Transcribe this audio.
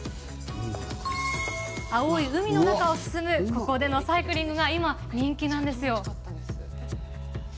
青い海の中を進むここでのサイクリングが今、人気なんです。